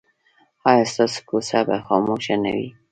ایا ستاسو کوڅه به خاموشه نه وي؟